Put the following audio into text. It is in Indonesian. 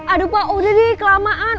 aduh pak udah nih kelamaan